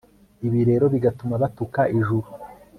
Ibi rero bigatuma batuka ijuru